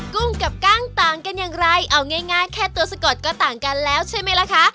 กุ้งกับกล้างต่างกันอย่างไรเอาง่ายแค่ตัวสะกดก็ต่างกันแล้วใช่ไหมล่ะคะ